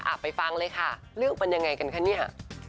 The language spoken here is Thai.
ไปฟังเลยค่ะเรื่องเป็นยังไงกันคะเนี่ย